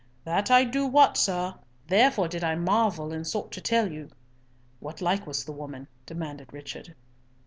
"That do I wot, sir. Therefore did I marvel, and sought to tell you." "What like was the woman?" demanded Richard.